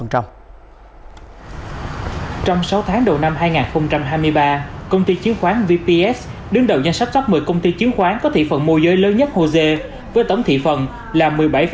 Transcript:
trong đó trong sáu tháng đầu năm hai nghìn hai mươi ba công ty chính khoán vps đứng đầu trong danh sách top một mươi công ty chính khoán có thị phần mua giới lớn nhất của hồ sê với tổng thị phần là một mươi bảy sáu mươi năm